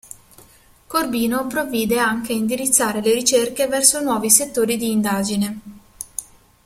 Corbino provvide anche a indirizzare le ricerche verso nuovi settori di indagine.